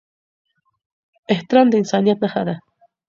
احترام د انسانيت نښه ده.